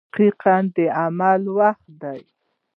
• دقیقه د عمل وخت دی.